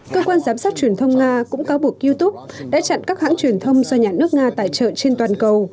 cơ quan giám sát truyền thông nga cũng cáo buộc youtube đã chặn các hãng truyền thông do nhà nước nga tài trợ trên toàn cầu